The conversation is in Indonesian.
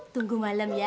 tunggu malem ya